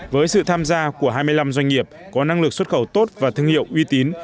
với sự tham gia của hai mươi năm doanh nghiệp có năng lực xuất khẩu tốt và thương hiệu uy tín